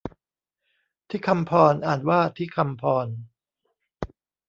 ฑิฆัมพร อ่านว่าทิคำพอน